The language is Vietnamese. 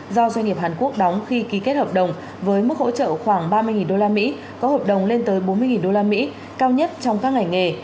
do doanh nghiệp hàn quốc đóng khi ký kết hợp đồng với mức hỗ trợ khoảng ba mươi usd có hợp đồng lên tới bốn mươi usd cao nhất trong các ngành nghề